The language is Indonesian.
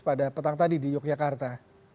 pada petang tadi di yogyakarta